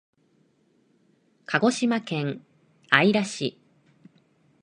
鹿児島県姶良市